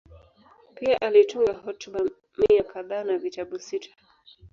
Pia alitunga hotuba mia kadhaa na vitabu sita.